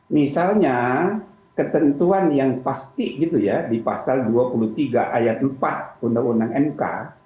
misalnya ketentuan yang pasti gitu ya di pasal dua puluh tiga ayat empat undang undang mk